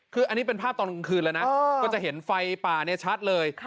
คืออันนี้เป็นภาพตอนกลางคืนแล้วนะก็จะเห็นไฟป่าเนี่ยชัดเลย